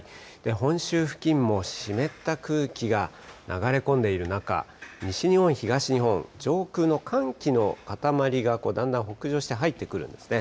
本州付近も湿った空気が流れ込んでいる中、西日本、東日本、上空の寒気の固まりがだんだん北上して入ってくるんですね。